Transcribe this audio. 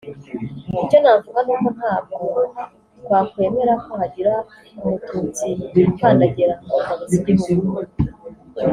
icyo navuga ni uko ‘ntabwo twakwemera ko hagira umututsi ukandagira mu ngabo z’igihugu